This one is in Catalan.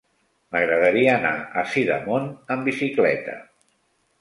M'agradaria anar a Sidamon amb bicicleta.